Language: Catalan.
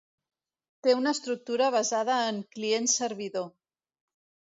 Té una estructura basada en client-servidor.